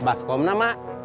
mas kau pernah mak